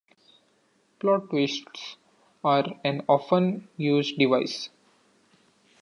Plot twists are an often used device.